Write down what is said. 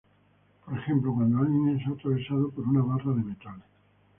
Por ejemplo, cuando alguien es atravesado por una barra de metal.